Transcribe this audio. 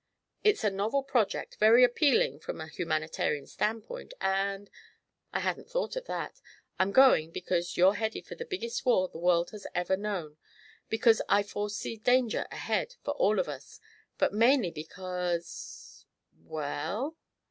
"It's a novel project, very appealing from a humanitarian standpoint and " "I hadn't thought of that. I'm going because you're headed for the biggest war the world has ever known; because I foresee danger ahead, for all of us; but mainly because " "Well?"